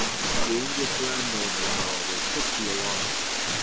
The English landowners, however, took the alarm.